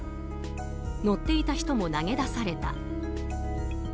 乗っていた人も投げ出された。